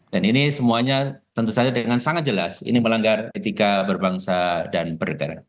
dan ini semuanya tentu saja dengan sangat jelas ini melanggar ketika berbangsa dan berdekatan